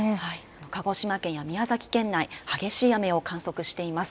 鹿児島県や宮崎県内、激しい雨を観測しています。